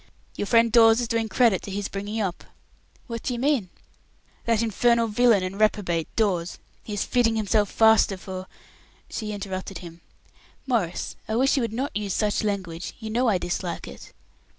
"Your friend Dawes is doing credit to his bringing up." "What do you mean?" "That infernal villain and reprobate, Dawes. He is fitting himself faster for " She interrupted him. "Maurice, I wish you would not use such language. You know I dislike it."